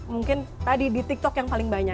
mungkin tadi di tiktok yang paling banyak